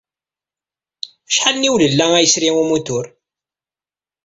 Acḥal n yiwlella ay yesri umutur?